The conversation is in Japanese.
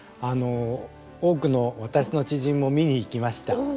多くの私の知人も見に行きました。